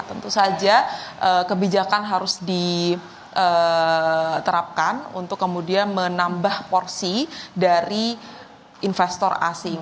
tentu saja kebijakan harus diterapkan untuk kemudian menambah porsi dari investor asing